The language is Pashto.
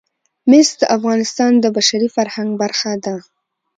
مس د افغانستان د بشري فرهنګ برخه ده.